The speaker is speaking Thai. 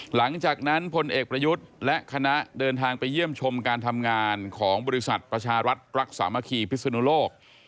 หลังจากนั้นพลเอกประยุทธ์และคณะเดินทางไปเยี่ยมชมการทำงานของบริษัทประชารัฐรักษามะคีพิศนุโลก